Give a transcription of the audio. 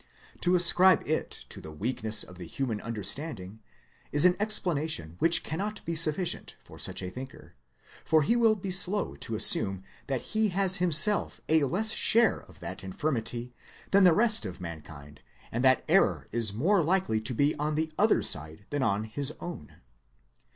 To ascribe it to the weakness of the human understanding is an explanation which cannot be sufficient for such a thinker, for he will 128 THEISM be slow to assume that he has himself a less share of that infirmity than the rest of mankind and that error is more likely to be on the other side than on his own.